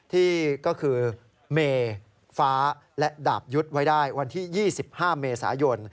ที่ก็คือเมฟ้าและดาบยุทธ์ไว้ได้วันที่๒๕เมษายน